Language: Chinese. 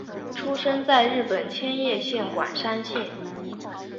出生在日本千叶县馆山市。